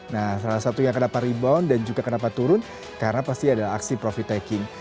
nah salah satunya kenapa rebound dan juga kenapa turun karena pasti adalah aksi profit taking